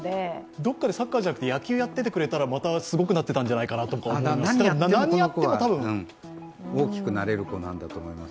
どこかでサッカーじゃなくて野球やっててくれたらまたすごくなってたんじゃないのかなとか、大きくなれる子なんだと思います。